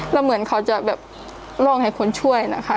แล้วเหมือนเขาจะแบบล่องให้คนช่วยนะคะ